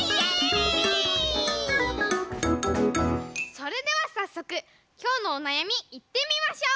それではさっそくきょうのおなやみいってみましょう！